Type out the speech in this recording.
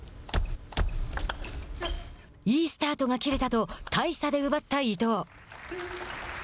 いいスタートが切れたと大差で奪った伊藤。